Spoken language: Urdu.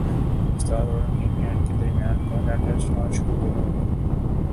پاکستان اور انگلینڈ کے درمیان پہلا ٹیسٹ اج شروع ہوگا